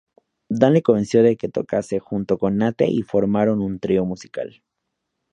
Dan le convenció de que tocase junto con Nate y formaron un trío musical.